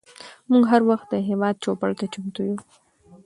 موږ هر وخت د هیواد چوپړ ته چمتو یوو.